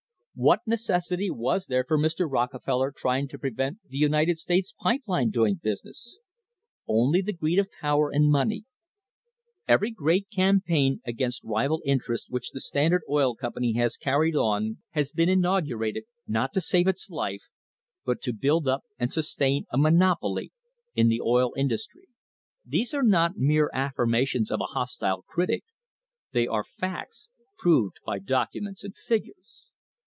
What necessity was there for Mr. Rockefeller trying to prevent the United States Pipe Line doing business? only the greed of power and money. Every great campaign against rival interests which the Stand ard Oil Company has carried on has been inaugurated, not to save its life, but to build up and sustain a monopoly in the oil industry. These are not mere affirmations of a hostile critic; they are facts proved by documents and figures.